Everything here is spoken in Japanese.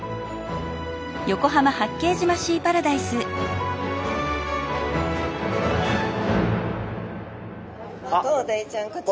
マトウダイちゃんこちら！